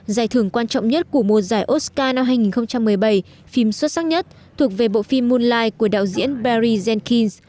giải thưởng quan trọng nhất của mùa giải oscar năm hai nghìn một mươi bảy phim xuất sắc nhất thuộc về bộ phim moonlight của đạo diễn barry jenkins